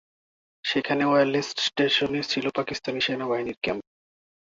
সেখানে ওয়্যারলেস স্টেশনে ছিল পাকিস্তান সেনাবাহিনীর ক্যাম্প।